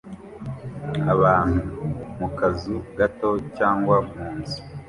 abantu mu kazu gato cyangwa munzu